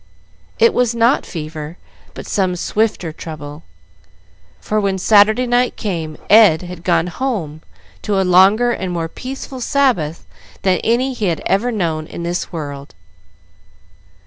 It was not fever, but some swifter trouble, for when Saturday night came, Ed had gone home to a longer and more peaceful Sabbath than any he had ever known in this world.